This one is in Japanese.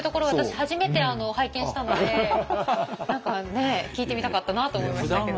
初めて拝見したので何かね聞いてみたかったなと思いましたけど。